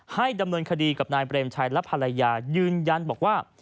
ดำเนินคดีกับนายเปรมชัยและภรรยายืนยันบอกว่า